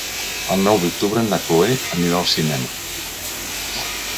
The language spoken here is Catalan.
El nou d'octubre na Cloè anirà al cinema.